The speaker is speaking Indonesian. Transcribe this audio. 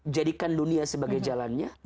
jadikan dunia sebagai jalannya